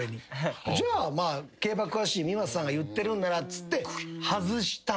じゃあ競馬詳しい三又さんが言ってるんならっつって外したんすよ。